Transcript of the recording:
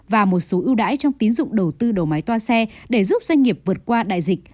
và một số ưu đãi trong tín dụng đầu tư đầu máy toa xe để giúp doanh nghiệp vượt qua đại dịch